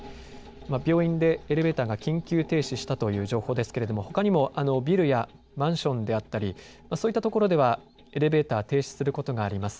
病院でエレベーターが緊急停止したという情報ですけれどもほかにもビルやマンションであったり、そういった所では、エレベーターが停止することがあります。